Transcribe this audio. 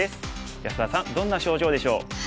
安田さんどんな症状でしょう？